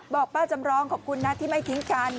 บอกป้าจำลองขอบคุณนะที่ไม่ทิ้งกัน